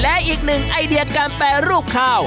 และอีกหนึ่งไอเดียการแปรรูปข้าว